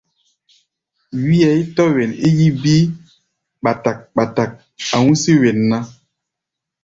Wíʼɛi tɔ̧́ wen é yí bíí báták-báták, a̧ hú̧sí̧ wen ná.